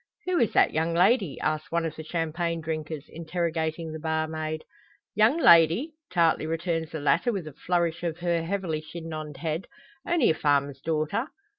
"Who is that young lady?" asks one of the champagne drinkers, interrogating the barmaid. "Young lady!" tartly returns the latter, with a flourish of her heavily chignoned head, "only a farmer's daughter."